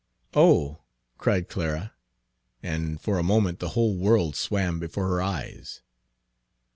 "Oh!" cried Clara, and for a moment the whole world swam before her eyes.